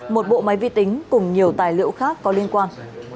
một bộ máy vi tính cùng nhiều tài liệu khác có liên quan